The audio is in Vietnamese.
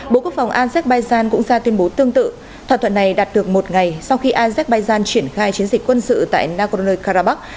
bộ quốc phòng azerbaijan cũng ra tuyên bố tương tự thỏa thuận này đạt được một ngày sau khi azerbaijan triển khai chiến dịch quân sự tại nagorno karabakh